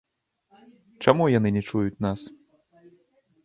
Чаму яны не чуюць нас?